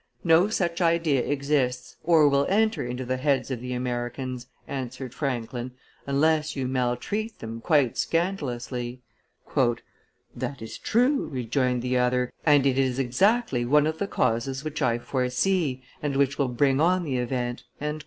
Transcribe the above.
"No such idea exists or will enter into the heads of the Americans," answered Franklin, "unless you maltreat them quite scandalously." "That is true," rejoined the other, "and it is exactly one of the causes which I foresee, and which will bring on the event."